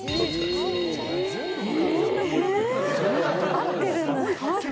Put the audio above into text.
会ってるんだ。